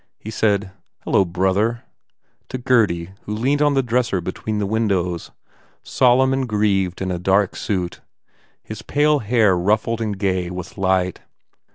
He said, "Hello, brother," to Gurdy who leaned on the dresser between the windows, solemn and grieved in a dark suit, his pale hair ruffled and gay with light.